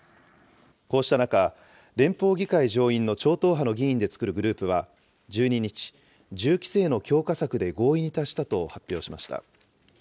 こうした中、連邦議会上院の超党派の議員で作るグループは、１２日、銃規制の強化策で合意に達したと発表しました。